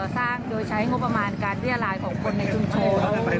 สร้างโดยใช้งบประมาณการเรียรายของคนในชุมชน